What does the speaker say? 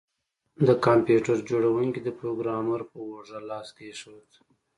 د کمپیوټر جوړونکي د پروګرامر په اوږه لاس کیښود